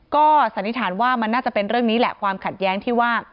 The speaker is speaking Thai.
ก็สันนิษฐานว่ามันน่าจะเป็นเรื่องนี้แหละความขัดแย้งที่ว่า